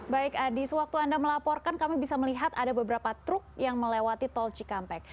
baik adi sewaktu anda melaporkan kami bisa melihat ada beberapa truk yang melewati tol cikampek